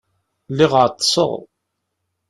Lliɣ ɛeṭṭseɣ.